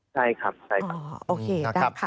ใช่ครับนะครับดีขัดได้ครับ